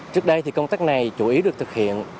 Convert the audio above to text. trước đây thì công tác này chủ ý được thực hiện